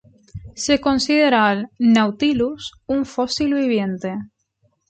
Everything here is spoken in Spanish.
Se considera al "Nautilus" un fósil viviente.